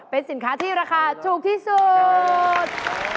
เป็นสินค้าที่ราคาถูกที่สุด